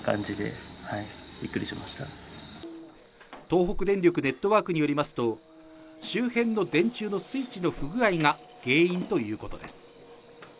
東北電力ネットワークによりますと、周辺の電柱のスイッチの不具合が原因ということです。